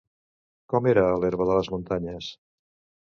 Com era l'herba de les muntanyes?